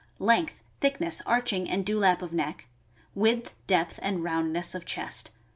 — Length, thickness, arching, and dew lap of neck, width, depth, and roundness of chest.